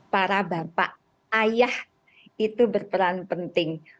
para bapak ayah itu berperan penting